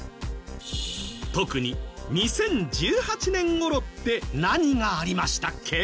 特に２０１８年頃って何がありましたっけ？